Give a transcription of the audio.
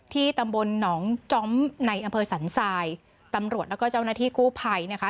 ตำบลหนองจ้อมในอำเภอสันทรายตำรวจแล้วก็เจ้าหน้าที่กู้ภัยนะคะ